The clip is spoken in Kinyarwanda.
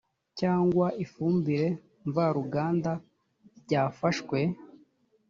cyangwa ifumbire mvaruganda byafashwe